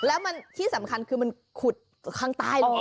แล้วมันที่สำคัญคือมันขุดข้างใต้เลย